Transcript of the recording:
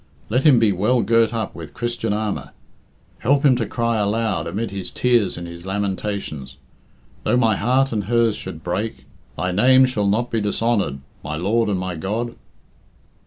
Let him be well girt up with Christian armour. Help him to cry aloud, amid his tears and his lamentations, 'Though my heart and hers should break, Thy name shall not be dishonoured, my Lord and my God!'"